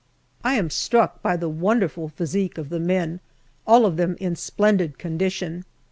I am struck by the wonderful physique of the men, all of them in splendid condition.